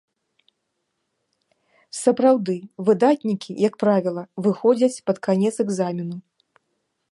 Сапраўды, выдатнікі, як правіла, выходзяць пад канец экзамену.